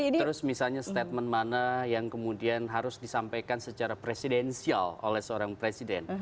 terus misalnya statement mana yang kemudian harus disampaikan secara presidensial oleh seorang presiden